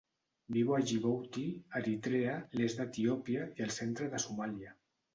Viu a Djibouti, Eritrea, l'est d'Etiòpia i el centre de Somàlia.